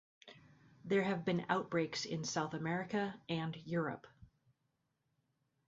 There have been outbreaks in South America and Europe.